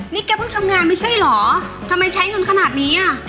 นี่แกเพิ่งทำงานไม่ใช่เหรอทำไมใช้เงินขนาดนี้อ่ะ